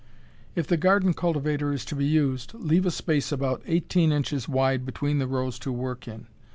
If the garden cultivator is to be used, leave a space about eighteen inches wide between the rows to work in.